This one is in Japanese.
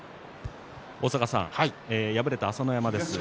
敗れた朝乃山です。